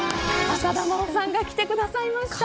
浅田真央さんが来てくださいました。